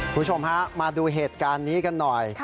คุณผู้ชมฮะมาดูเหตุการณ์นี้กันหน่อย